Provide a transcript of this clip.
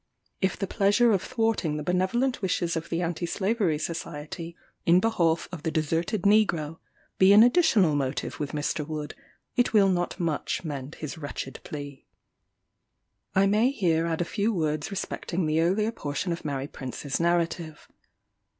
If the pleasure of thwarting the benevolent wishes of the Anti Slavery Society in behalf of the deserted negro, be an additional motive with Mr. Wood, it will not much mend his wretched plea. I may here add a few words respecting the earlier portion of Mary Prince's narrative.